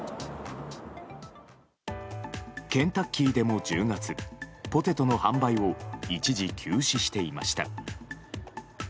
ケンタッキーでも１０月ポテトの販売を一時休止していました。